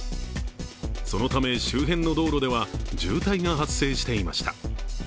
そのため、周辺の道路では渋滞が発生していました。